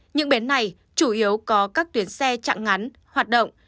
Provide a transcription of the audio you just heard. những bến này chủ yếu có các tuyến xe chặng ngắn hoạt động